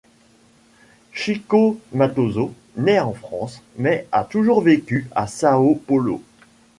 Chico Mattoso naît en France, mais a toujours vécu à São Paulo.